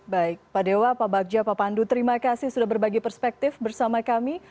baik pak dewa pak bagja pak pandu terima kasih sudah berbagi perspektif bersama kami